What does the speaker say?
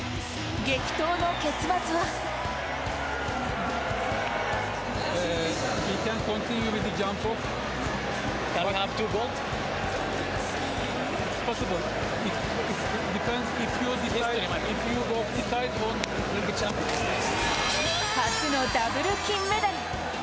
激闘の結末は初のダブル金メダル。